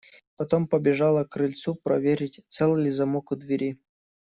Потом побежала к крыльцу проверить, цел ли замок у двери.